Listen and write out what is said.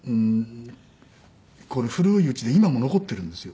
これ古い家で今も残ってるんですよ。